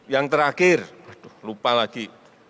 yang terakhir aduh lupa lagi